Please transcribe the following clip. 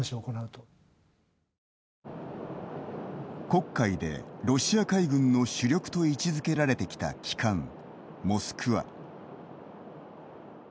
黒海でロシア海軍の主力と位置づけられてきた旗艦「モスクワ」。